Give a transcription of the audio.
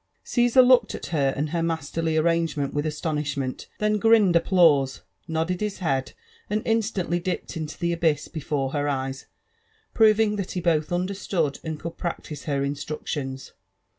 Caesar looked at her and her masterly arrangemefit with astonish moot, then grinned applause^ nodded his head, and instantly dippei into the abyss before her eyes, proving that he both understood and could practise her instructions.